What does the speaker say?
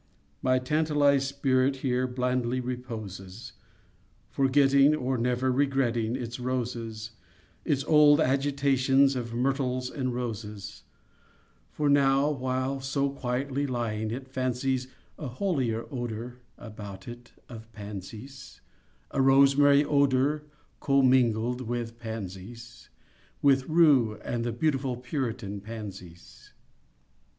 My tantalized spirit Here blandly reposes, Forgetting, or never Regretting its roses— Its old agitations Of myrtles and roses: For now, while so quietly Lying, it fancies A holier odor About it, of pansies— A rosemary odor, Commingled with pansies— With rue and the beautiful Puritan pansies.